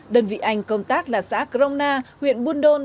đơn vị anh công tác là xã crona huyện buôn đôn